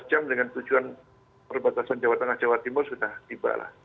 dua belas lima belas jam dengan tujuan perbatasan jawa tengah jawa timur sudah tiba lah